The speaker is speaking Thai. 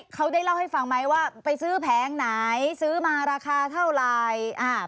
เขาได้เล่าให้ฟังไหมว่าไปซื้อแผงไหนซื้อมาราคาเท่าไหร่